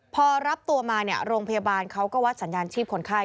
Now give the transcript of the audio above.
พอรับตัวมาโรงพยาบาลเขาก็วัดสัญญาณชีพคนไข้